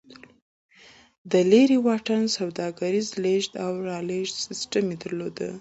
د لېرې واټن سوداګري او لېږد رالېږد سیستم یې درلود